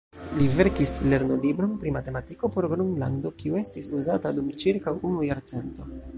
Li verkis lernolibron pri matematiko por Gronlando, kiu estis uzata dum ĉirkaŭ unu jarcento.